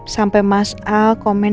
sampai mas al komen